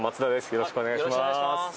よろしくお願いします